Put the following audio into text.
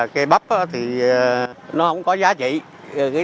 cây bắp thì nó không có giá trị